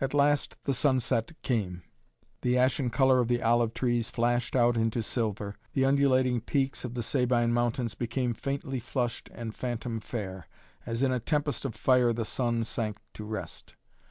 At last the sunset came. The ashen color of the olive trees flashed out into silver, the undulating peaks of the Sabine Mountains became faintly flushed and phantom fair, as in a tempest of fire the sun sank to rest.